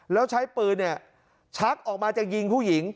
แล้วใช้ปืนเนี่ยชักออกมาจะยิงผู้หญิง